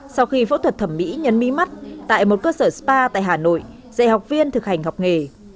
sau khi phẫu thuật thẩm mỹ nhấn mí mắt tại một cơ sở spa tại hà nội dạy học viên thực hành học nghề